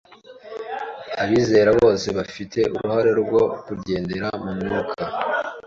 abizera bose bafite uruhare rwo kugendera mu Mwuka.